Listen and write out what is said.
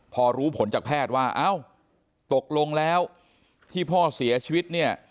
พอรู้ผลจากแพทย์ว่าเอ้าตกลงแล้วที่พ่อเสียชีวิตเนี่ย